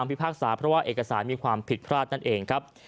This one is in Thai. พิพากษาเพราะว่าเอกสารมีความผิดพลาดนั่นเองครับ